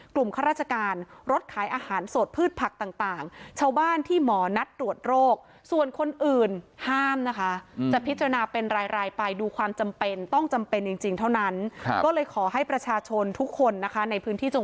กลุ่มครราชการรถขายอาหารสดพืชผักต่างชาวบ้านที่หมอนัดตรวจโรคส่วนคนอื่นห้ามนะคะ